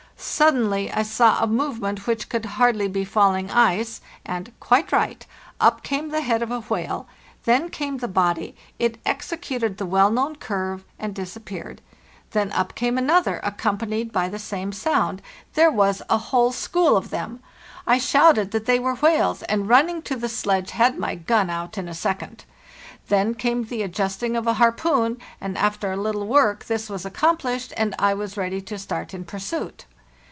Suddenly I sawa movement which could hardly be falling ice, and—quite right—up came the head of a whale; then came the body; it executed the well known curve, and disappeared. Then up came another, accompanied by the same sound. There was a whole school of them. I shouted that 216 FARTHEST NORTH they were whales, and, running to the sledge, had my gun out in a second. Then came the adjusting of a harpoon, and after a little work this was accomplished, and I was ready to start in pursuit.